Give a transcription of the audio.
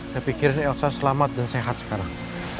tapi pikirin elsa selamat dan sehat sekarang